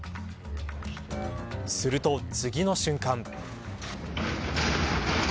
すると次の瞬間。